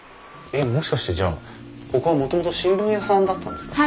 えっもしかしてじゃあここはもともと新聞屋さんだったんですか？